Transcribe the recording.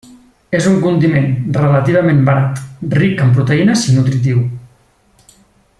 És un condiment relativament barat, ric en proteïnes i nutritiu.